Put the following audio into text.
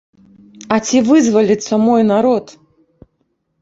А ці вызваліцца мой народ?